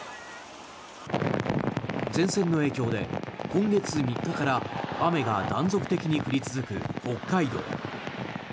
前線の影響で今月３日から雨が断続的に降り続く北海道。